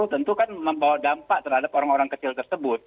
tentu kan membawa dampak terhadap orang orang kecil tersebut